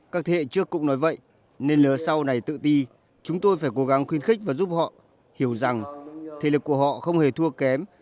các thế hệ trước cũng nói vậy nên lứa sau này tự ti chúng tôi phải cố gắng khuyên khích và giúp họ hiểu rằng thể lực của họ không hề thua kém